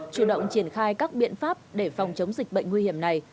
chủ động triển khai các biện pháp để phòng chống dịch bệnh nguy hiểm này